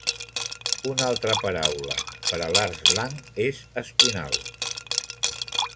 Una altra paraula per a l'arç blanc és espinalb.